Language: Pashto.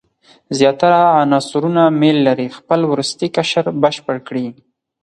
زیاتره عنصرونه میل لري خپل وروستی قشر بشپړ کړي.